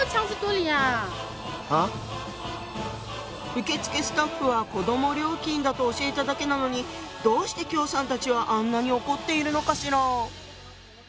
受付スタッフは子ども料金だと教えただけなのにどうして喬さんたちはあんなに怒っているのかしら？